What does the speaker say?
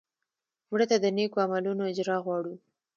مړه ته د نیکو عملونو اجر غواړو